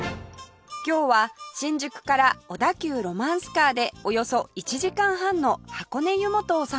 今日は新宿から小田急ロマンスカーでおよそ１時間半の箱根湯本を散歩します